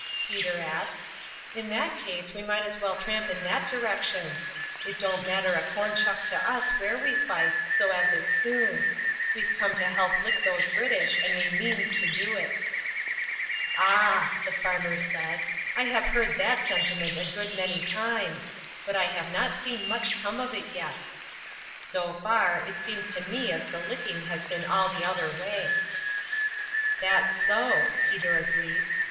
Peter asked. "In that case we might as well tramp in that direction. It don't matter a corn shuck to us where we fight, so as it's soon. We've come to help lick these British, and we means to do it." "Ah!" the farmer said, "I have heard that sentiment a good many times, but I have not seen much come of it yet. So far, it seems to me as the licking has been all the other way." "That's so," Peter agreed.